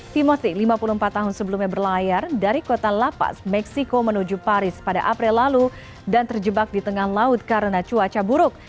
simosi lima puluh empat tahun sebelumnya berlayar dari kota lapas meksiko menuju paris pada april lalu dan terjebak di tengah laut karena cuaca buruk